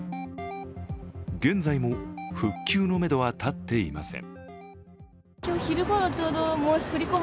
現在も復旧のめどは立っていません。